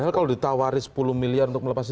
padahal kalau ditawari sepuluh miliar untuk melepas